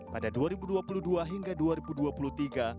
pada dua ribu dua puluh dua hingga dua ribu dua puluh tiga